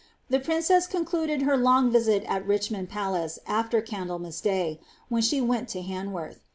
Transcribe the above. The princess concluded her long visit at Richmond Palace ai\er Candlemas day, when she went to Han worth.